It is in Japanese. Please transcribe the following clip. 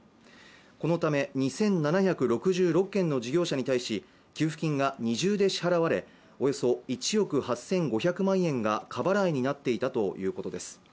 このために２７６６件の事業者に対し給付金が二重で支払われおよそ１億８５００万円が過払いになっていたということです